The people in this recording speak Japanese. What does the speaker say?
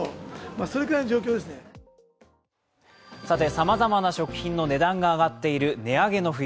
さまざま食品の値段が上がっている値上げの冬。